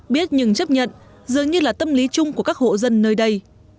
biết nhưng chấp nhận dường như là tâm lý chung của các hộ dân nơi đây